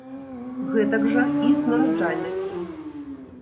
Гэтак жа і з нараджальнасцю.